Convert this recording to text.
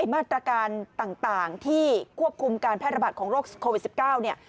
มาตรการต่างที่ควบคุมการแพร่ระบาดของโรคโควิด๑๙เนี่ย